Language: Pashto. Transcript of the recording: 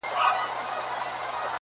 د بوډۍ ټال بازار کښې نه خرڅيږي